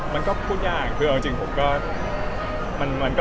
มันก็พูดยาก